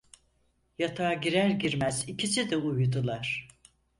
Yatağa girer girmez ikisi de uyudular.